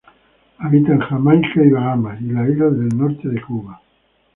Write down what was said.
Habita en Jamaica y Bahamas y las islas del norte de Cuba.